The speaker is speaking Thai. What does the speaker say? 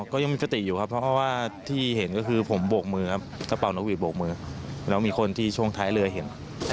ก็ยังมีสติอยู่ครับเพราะว่าที่เห็นก็คือผมโบกมือครับกระเป๋านกหวีดโบกมือแล้วมีคนที่ช่วงท้ายเรือเห็น